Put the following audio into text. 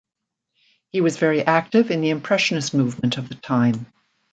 He was very active in the Impressionist movement of the time.